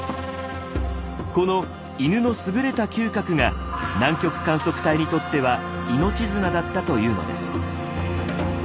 この犬の優れた嗅覚が南極観測隊にとっては命綱だったというのです。